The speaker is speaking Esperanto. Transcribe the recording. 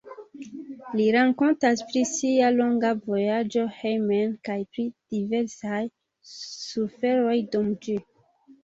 Li rakontas pri sia longa vojaĝo hejmen kaj pri diversaj suferoj dum ĝi.